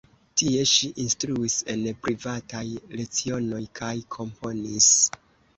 Tie ŝi instruis en privataj lecionoj kaj komponis.